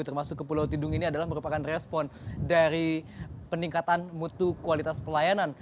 termasuk ke pulau tidung ini adalah merupakan respon dari peningkatan mutu kualitas pelayanan